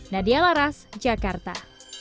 nadia laras jakarta